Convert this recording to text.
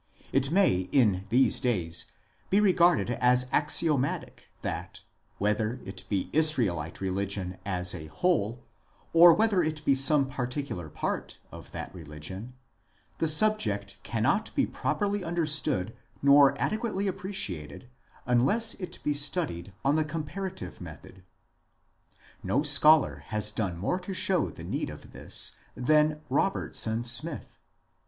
It may in these days be regarded as axiomatic that, whether it be Israelite religion as a whole, or whether it be some particular part of that religion, the subject cannot be properly understood nor adequately appreciated unless it be studied on the comparative method. No scholar has done more to show the need of this than Robertson Smith.